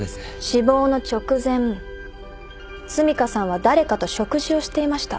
死亡の直前澄香さんは誰かと食事をしていました。